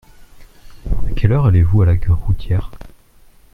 À quelle heure allez-vous à la gare routière ?